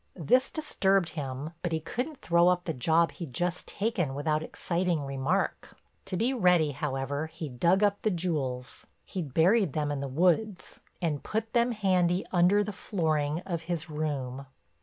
This disturbed him, but he couldn't throw up the job he'd just taken without exciting remark. To be ready, however, he dug up the jewels—he'd buried them in the woods—and put them handy under the flooring of his room.